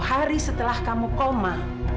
tiga puluh hari setelah kamu koma